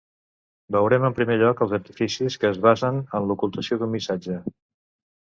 Veurem, en primer lloc, els artificis que es basen en l'ocultació d'un missatge.